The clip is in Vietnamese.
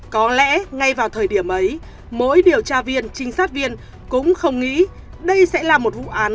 có lẽ ngay vào thời điểm ấy mỗi điều tra viên trinh sát viên cũng không nghĩ đây sẽ là một vụ án